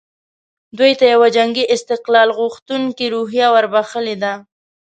دوی ته یوه جنګي استقلال غوښتونکې روحیه وربخښلې ده.